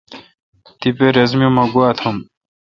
تیپہ رس می مہ گوا تھم۔